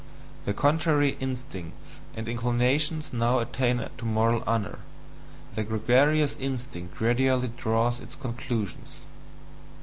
The contrary instincts and inclinations now attain to moral honour, the gregarious instinct gradually draws its conclusions.